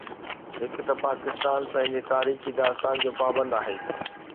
هڪ ته پاڪستان پنهنجي تاريخي داستان جو پابند آهي.